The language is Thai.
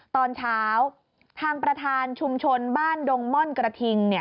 ตอนเช้าทางประธานชุมชนบ้านดงม่อนกระทิง